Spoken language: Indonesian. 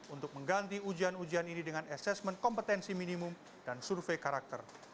untuk mengganti ujian ujian ini dengan asesmen kompetensi minimum dan survei karakter